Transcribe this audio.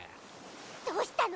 どうしたの？